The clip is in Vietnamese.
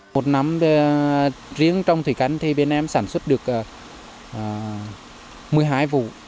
một năm riêng trong thủy canh thì bên em sản xuất được một mươi hai vụ